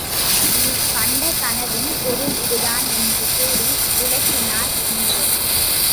நீ கண்ட கனவின் பொருள் இதுதான் என்றுகூறி விளக்கினார் முனிவர்.